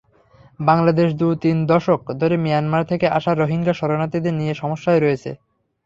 বাংলাদেশ দু-তিন দশক ধরে মিয়ানমার থেকে আসা রোহিঙ্গা শরণার্থীদের নিয়ে সমস্যায় রয়েছে।